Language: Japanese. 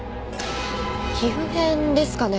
皮膚片ですかね？